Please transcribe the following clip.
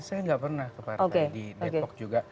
saya nggak pernah ke partai di depok juga